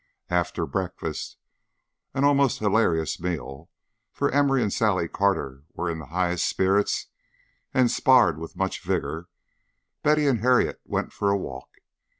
IV After breakfast an almost hilarious meal, for Emory and Sally Carter were in the highest spirits and sparred with much vigour Betty and Harriet went for a walk.